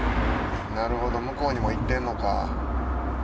なるほど向こうにも行ってるのか。